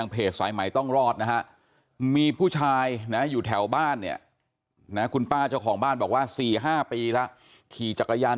เพจสายใหม่ต้องรอดนะฮะมีผู้ชายนะอยู่แถวบ้านเนี่ยนะคุณป้าเจ้าของบ้านบอกว่า๔๕ปีแล้วขี่จักรยาน